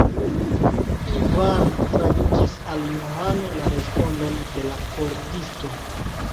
Ivan tradukis al Johano la respondon de la pordisto.